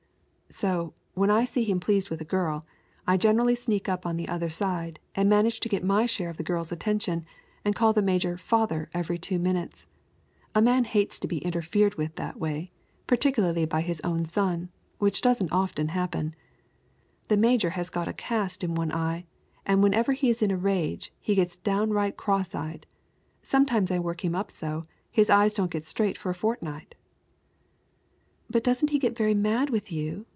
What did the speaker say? "So, when I see him pleased with a girl, I generally sneak up on the other side, and manage to get my share of the girl's attention, and call the major 'father' every two minutes. A man hates to be interfered with that way, particularly by his own son, which doesn't often happen. The major has got a cast in one eye, and, whenever he is in a rage, he gets downright cross eyed. Sometimes I work him up so, his eyes don't get straight for a fortnight." "But doesn't he get very mad with you?"